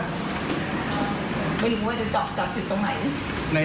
ก็เลยไม่รู้ว่าจะจอกจากจุดตรงไหน